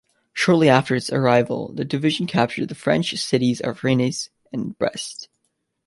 Shortly after its arrival, the division captured the French cities of Rennes and Brest.